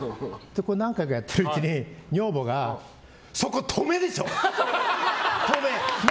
何回かやってるうちに女房がそこ止めでしょ！